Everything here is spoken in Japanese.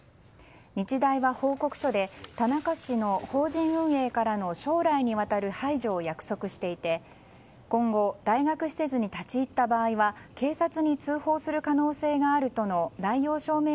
日大は報告書で田中氏の法人運営からの将来にわたる排除を約束していて今後、大学施設に立ち入った場合は警察に通報する可能性があるとの内容証明